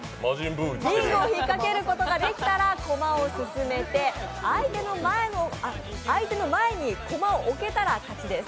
リングを引っ掛けることができたら駒を進めて、相手の前に駒を置けたら勝ちです。